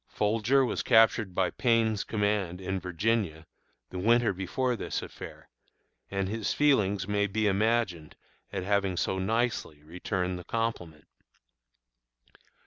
Folger was captured by Payne's command, in Virginia, the winter before this affair, and his feelings may be imagined at having so nicely returned the compliment.